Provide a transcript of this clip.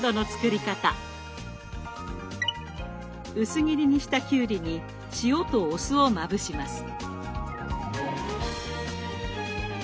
薄切りにしたきゅうりに塩とお酢をまぶします。